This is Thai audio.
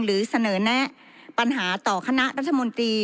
หรือเสนอแนะปัญหาต่อคณะรัฐมนตรี